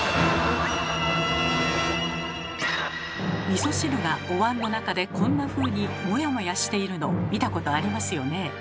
みそ汁がおわんの中でこんなふうにモヤモヤしているの見たことありますよね。